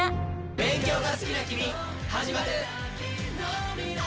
勉強が好きな君、始まる！